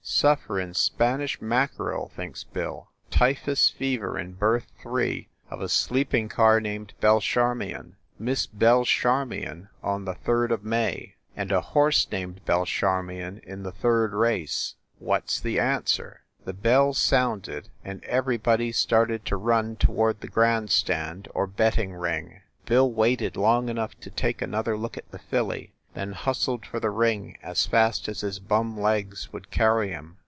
"Sufferin Spanish mackerel!" thinks Bill. "Ty phus fever in berth three of a sleeping car named Belcharmion. Miss Belle Charmion on the third of May, and a horse named Belcharmion in the third race ! What s the answer ?" The bell sounded, and everybody started to run toward the grand stand or betting ring. Bill waited long enough to take another look at the filly, then hustled for the ring as fast as his bum legs would carry him.